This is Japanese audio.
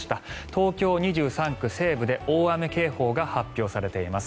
東京２３区西部で大雨警報が発表されています。